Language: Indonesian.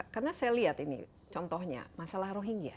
karena saya lihat ini contohnya masalah rohingya